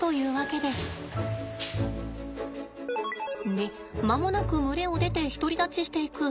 で間もなく群れを出て独り立ちしていく。